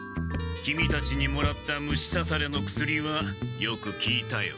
キミたちにもらった虫さされの薬はよくきいたよ。